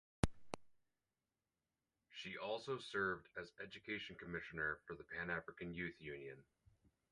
She also served as education commissioner for the Panafrican Youth Union.